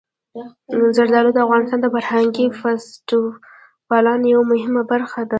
زردالو د افغانستان د فرهنګي فستیوالونو یوه مهمه برخه ده.